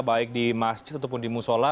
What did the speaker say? baik di masjid ataupun di musola